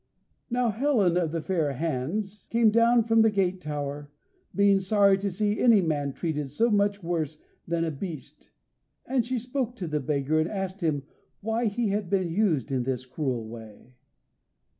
Now Helen of the fair hands came down from the gate tower, being sorry to see any man treated so much worse than a beast, and she spoke to the beggar and asked him why he had been used in this cruel way?